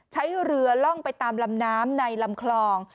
ใช้เรือล่องไปตามลำน้ำในลำคลอง